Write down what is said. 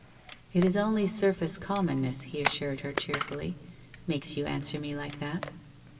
'It is only surface commonness,' he assured her cheer fully, ' makes you answer me like that.